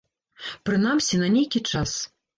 Прынамсі, на нейкі час.